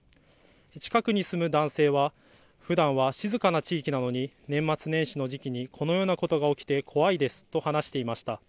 近くに住む男性はふだんは静かな地域なのに年末年始の時期にこのようなことが起きて怖いですと話していました。